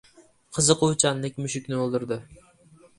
• Qiziquvchanlik mushukni o‘ldirdi.